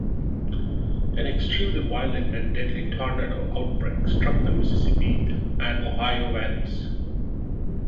An extremely violent and deadly tornado outbreak struck the Mississippi and Ohio Valleys.